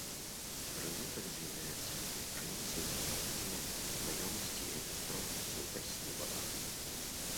Прыбытак з'яўляецца крыніцаю фармавання маёмасці і адлюстроўваецца ў пасіве балансу.